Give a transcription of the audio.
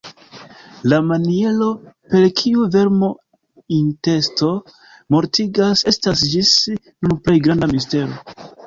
La maniero, per kiu "vermo-intesto" mortigas, estas ĝis nun plej granda mistero.